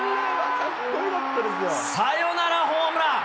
サヨナラホームラン。